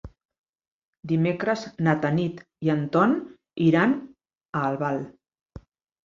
Dimecres na Tanit i en Ton iran a Albal.